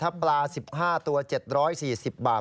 ถ้าปลา๑๕ตัว๗๔๐บาท